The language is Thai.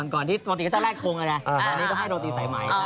ก่อนที่ปกติก็จะแลกคงนะตอนนี้ก็ให้โรตีสายใหม่